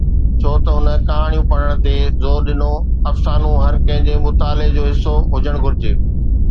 ڇو ته هن ڪهاڻيون پڙهڻ تي زور ڏنو، افسانو هر ڪنهن جي مطالعي جو حصو هجڻ گهرجي؟